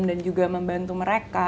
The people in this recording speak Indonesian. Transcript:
dan juga membantu mereka